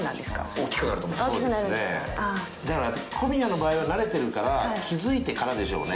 大きくなると思います大きくなるああだから小宮の場合は慣れてるから気づいてからでしょうね